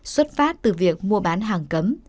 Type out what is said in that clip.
xuất phát từ việc mua bán hàng cấm